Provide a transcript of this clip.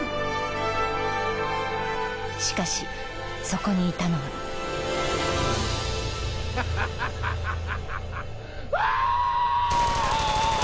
しかしそこにいたのはハハハハフォー！